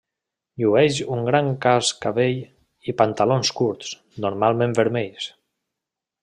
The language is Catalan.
Llueix un gran cascavell i pantalons curts, normalment vermells.